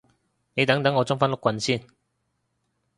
你等等我裝返碌棍先